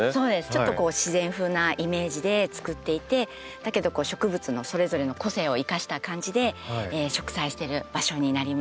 ちょっと自然風なイメージでつくっていてだけど植物のそれぞれの個性を生かした感じで植栽してる場所になります。